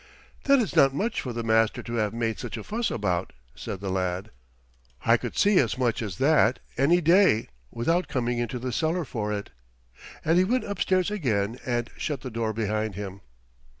"That is not much for the Master to have made such a fuss about," said the lad. "I could see as much as that any day without coming into a cellar for it;" and he went upstairs again and shut the door behind him.